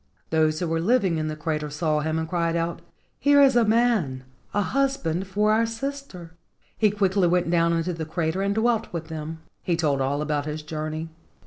Those who were living in the crater saw him, and cried out, "Here is a man, a hus¬ band for our sister." He quickly went down PUNA AND THE DRAGON *57 into the crater and dwelt with them. He told all about his journey.